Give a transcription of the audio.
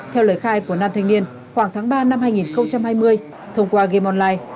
theo lời khai của nam thanh niên khoảng tháng ba năm hai nghìn hai mươi thông qua game online